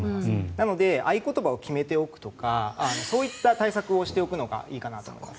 なので合言葉を決めておくとかそういった対策をしておくのがいいかと思います。